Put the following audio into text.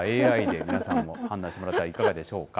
ＡＩで皆さんも判断してもらったらいかがでしょうか。